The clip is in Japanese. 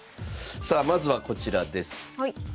さあまずはこちらです。